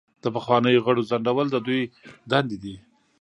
د پخوانیو غړو ځنډول د دوی دندې دي.